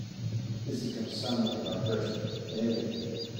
This is going to sound like a digression, but bear with me.